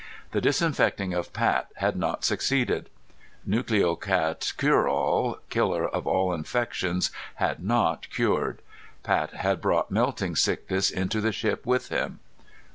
The disinfecting of Pat had not succeeded. Nucleocat Cureall, killer of all infections, had not cured! Pat had brought melting sickness into the ship with him!